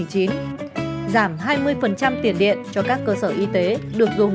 giảm hai mươi tiền điện cho các cơ sở y tế được dùng